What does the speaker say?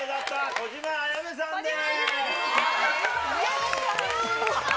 小島あやめです。